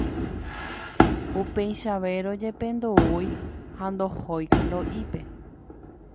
Upeichavérõ jepe ndoúi ha ndohói Kalo'ípe.